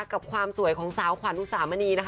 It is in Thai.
กับความสวยของสาวขวัญอุสามณีนะคะ